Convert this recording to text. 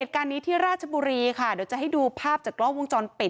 เหตุการณ์นี้ที่ราชบุรีค่ะเดี๋ยวจะให้ดูภาพจากกล้องวงจรปิด